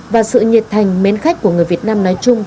và sự nhiệt thành mến khách của người việt nam nói chung